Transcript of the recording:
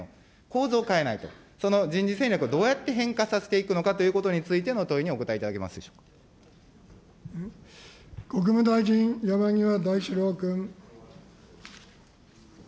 構造を変えないと、その人事戦略をどうやって変化させていくのかということについての問いにお答国務大臣、山際大志郎君。